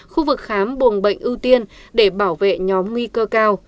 khu vực khám buồng bệnh ưu tiên để bảo vệ nhóm nguy cơ cao